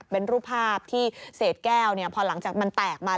เป็นรูปภาพที่เศษแก้วพอหลังจากมันแตกมา